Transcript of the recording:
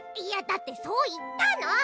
いやだってそういったの！